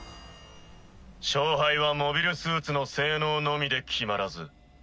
勝敗はモビルスーツの性能のみで決まらず。